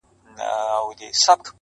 جانان لکه ريښه د اوبو هر ځای غځېدلی_